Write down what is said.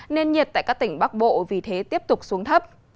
nên nhiệt tại các tỉnh bắc bộ vì thế tiếp tục xuống thấp